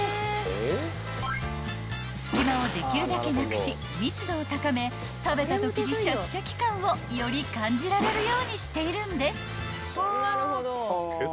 ［隙間をできるだけなくし密度を高め食べたときにシャキシャキ感をより感じられるようにしているんです］